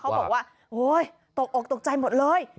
บอกว่าโอ๊ยตกอกตกใจหมดเลย